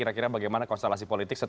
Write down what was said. terima kasih pak yusuf